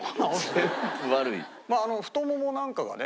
太ももなんかがね